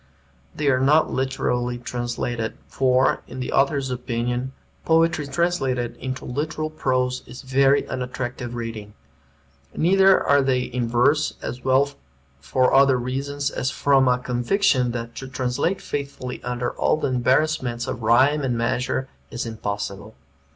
They are not literally translated, for, in the author's opinion, poetry translated into literal prose is very unattractive reading. Neither are they in verse, as well for other reasons as from a conviction that to translate faithfully under all the embarrassments of rhyme and measure is impossible.